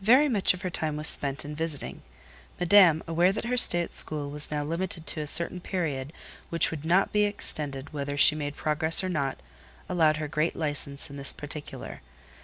Very much of her time was spent in visiting. Madame, aware that her stay at school was now limited to a certain period, which would not be extended whether she made progress or not, allowed her great licence in this particular.